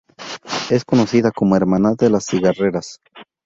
Es conocida como Hermandad de las Cigarreras.